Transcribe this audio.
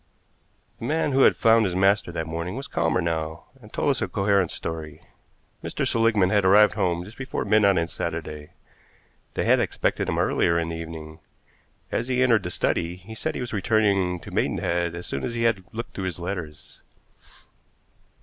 The man who had found his master that morning was calmer now, and told us a coherent story. Mr. Seligmann had arrived home just before midnight on Saturday. They had expected him earlier in the evening. As he entered the study, he said he was returning to Maidenhead as soon as he had looked through his letters.